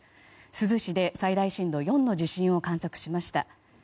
珠洲市で最大震度４の地震を観測しました。